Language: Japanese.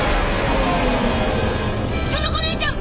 園子ねえちゃん！